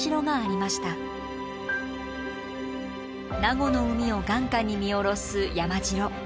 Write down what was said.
名護の海を眼下に見下ろす山城。